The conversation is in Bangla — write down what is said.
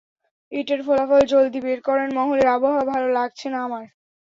ইটের ফলাফল জলদি বের করেন, মহলের আবহাওয়া ভালো, লাগছে না আমার।